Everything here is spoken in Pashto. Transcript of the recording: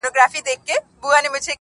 زما خو زړه دی زما ځان دی څه پردی نه دی.